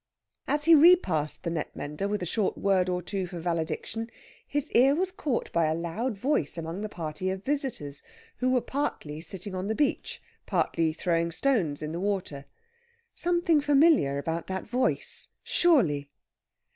As he repassed the net mender with a short word or two for valediction, his ear was caught by a loud voice among the party of visitors, who were partly sitting on the beach, partly throwing stones in the water. Something familiar about that voice, surely!